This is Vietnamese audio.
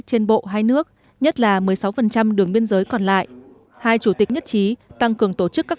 trên bộ hai nước nhất là một mươi sáu đường biên giới còn lại hai chủ tịch nhất trí tăng cường tổ chức các